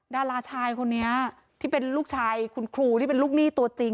ดาราชายคนนี้ที่เป็นลูกชายคุณครูที่เป็นลูกหนี้ตัวจริง